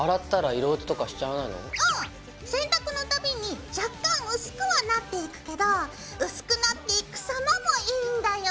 洗濯のたびに若干薄くはなっていくけど薄くなっていく様もいいんだよ。